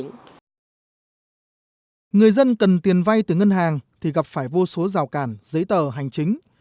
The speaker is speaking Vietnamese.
người dân cần tiền vay từ ngân hàng thì gặp phải vô số rào cản giấy tờ hành chính